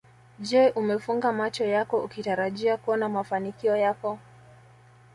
Je umefunga macho yako ukitarajia kuona mafanikio yako